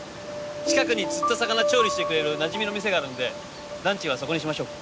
近くに釣った魚調理してくれるなじみの店があるんでランチはそこにしましょう。